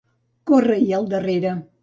Córrer-hi al darrere.